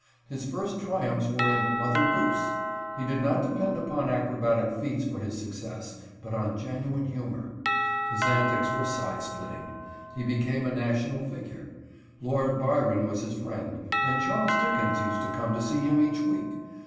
His first triumphs were in "Mother Goose." He did not depend upon acrobatic feats for his success, but on genuine humor. His antics were side splitting. He became a national figure. Lord Byron was his friend, and Charles Dickens used to come to see him each week.